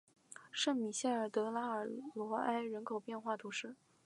圣米歇尔德拉罗埃人口变化图示